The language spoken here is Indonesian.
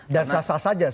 dan sah sah saja